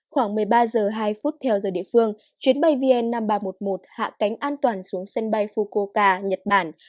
khoảng một mươi ba h hai theo giờ địa phương chuyến bay vn năm nghìn ba trăm một mươi một hạ cánh an toàn xuống sân bay fukoka nhật bản